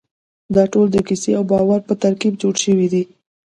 دا ټول د کیسې او باور په ترکیب جوړ شوي دي.